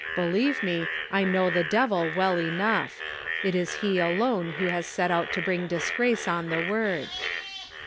Believe me, I know the devil well enough. It is he alone who has set out to brinir dis<rrace on the Word."